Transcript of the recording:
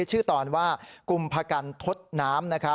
ชื่อตอนว่ากุมพกันทดน้ำ